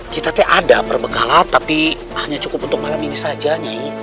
kita tuh ada perbekalan tapi hanya cukup untuk malam ini saja nih